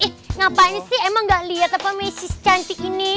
eh ngapain sih emang gak liat apa messi secantik ini